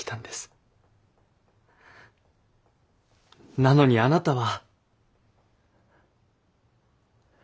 なのにあなたは。